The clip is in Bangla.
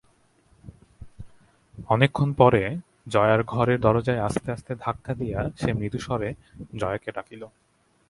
অনেকক্ষণ পরে জয়ার ঘরের দরজায় আস্তে আস্তে ধাক্কা দিয়া সে মৃদুস্বরে জয়াকে ডাকিল।